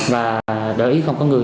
và đợi ý không có người